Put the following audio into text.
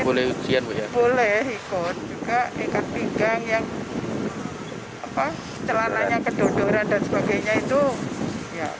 boleh ujian boleh ikon juga ikan pinggang yang apa celananya kedodoran dan sebagainya itu ya